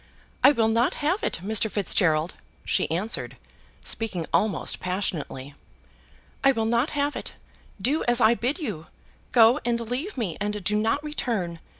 "I will not have it, Mr. Fitzgerald," she answered, speaking almost passionately. "I will not have it. Do as I bid you. Go and leave me, and do not return.